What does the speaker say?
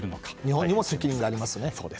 日本にも責任がありますからね。